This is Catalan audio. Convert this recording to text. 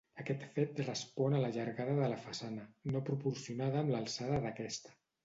Aquest fet respon a la llargada de la façana, no proporcionada amb l'alçada d'aquesta.